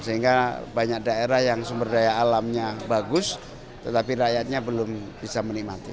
sehingga banyak daerah yang sumber daya alamnya bagus tetapi rakyatnya belum bisa menikmati